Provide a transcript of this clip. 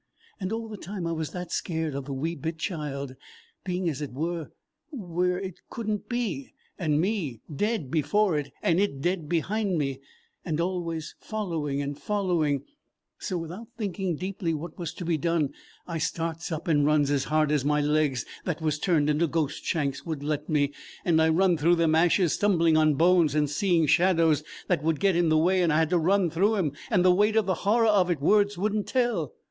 And all the time I was that scared of the wee bit child, being as it were where it could n't be, and me dead before it and it dead behind me, and always following and following; so without thinking deeply what was to be done, I starts up and runs as hard as my legs that was turned into ghost shanks would let me. And I run through them ashes, stumbling on bones and seeing shadows that would get in the way and I had to run through 'em, and the weight of the horror of it words would n't tell.